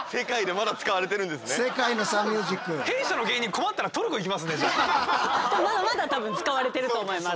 まだまだ多分使われてると思います。